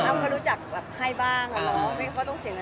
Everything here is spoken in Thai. มันจะได้กินกันเรื่อยนะ